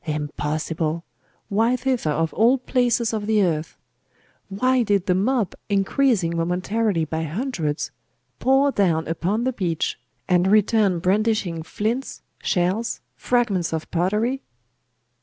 Impossible! Why thither of all places of the earth? Why did the mob, increasing momentarily by hundreds, pour down upon the beach, and return brandishing flints, shells, fragments of pottery?